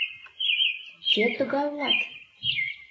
— Кӧ тугай улат?